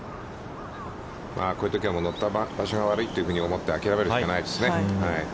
こういうときは乗った場所が悪いと思って諦めるしかないですね。